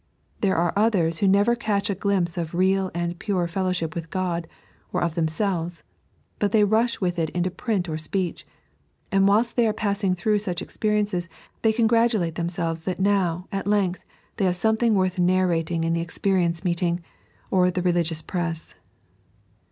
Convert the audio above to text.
There are others who never catch a glimpse of real and piu« fellowship with God, or of themselves, but they rush with it into print or speech ; and whilst they are passing through such experiences they congratulate themselves that now, at length, they have something worth narrating in the experience meeting or the religious press.